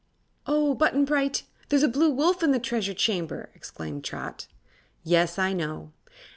"Oh, Button Bright! There's a Blue Wolf in the Treasure Chamber!" exclaimed Trot. "Yes; I know."